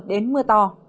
đến mưa to